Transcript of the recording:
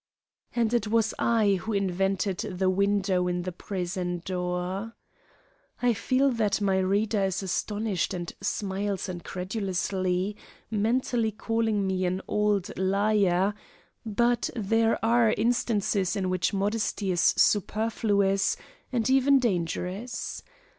And it was I who invented the window in the prison door. I feel that my reader is astonished and smiles incredulously, mentally calling me an old liar, but there are instances in which modesty is superfluous and even dangerous.